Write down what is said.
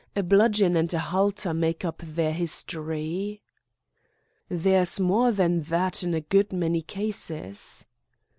A bludgeon and a halter make up their history." "There's more than that in a good many cases."